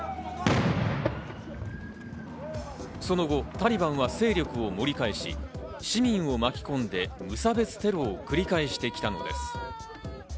その後、タリバンは勢力を盛り返し、市民を巻き込んで無差別テロを繰り返してきたのです。